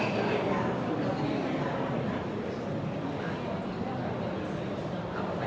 สวัสดีครับสวัสดีครับ